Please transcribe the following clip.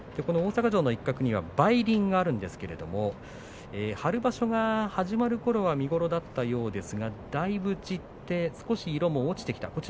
大阪城の一角には梅林があるんですが春場所が始まるころは見頃だったようですがだいぶ散って少し色も落ちてきた。